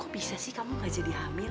bisa sih kamu gak jadi hamil